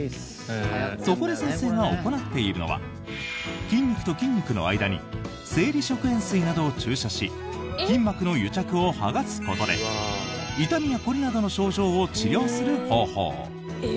そこで、先生が行っているのは筋肉と筋肉の間に生理食塩水などを注射し筋膜の癒着を剥がすことで痛みや凝りなどの症状を治療する方法。